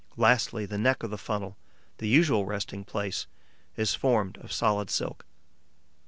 Lastly, the neck of the funnel, the usual resting place, is formed of solid silk.